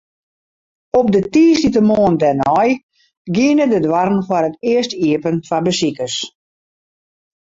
Op de tiisdeitemoarn dêrnei giene de doarren foar it earst iepen foar besikers.